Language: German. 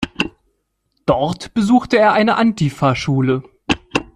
Dort besuchte er eine Antifa-Schule.